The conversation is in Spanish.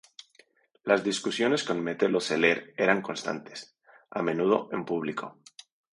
Las discusiones con Metelo Celer eran constantes, a menudo en público.